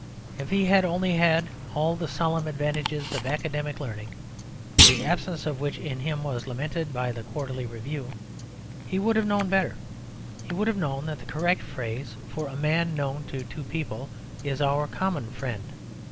If he had only had all the solemn advantages of academic learning (the absence of which in him was lamented by the Quarterly Review), he would have known better. He would have known that the correct phrase for a man known to two people is "our common friend."